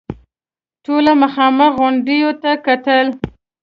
ټولو مخامخ غونډيو ته کتل.